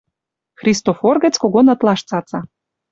Христофор гӹц когон ытлаш цаца...